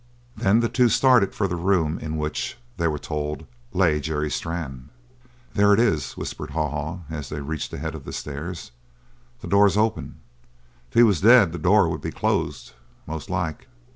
Then the two started for the room in which, they were told, lay Jerry Strann. "There it is," whispered Haw Haw, as they reached the head of the stairs. "The door's open. If he was dead the door would be closed, most like."